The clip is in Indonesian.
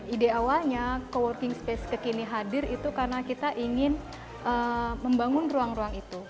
ide awalnya co working space kekini hadir itu karena kita ingin membangun ruang ruang itu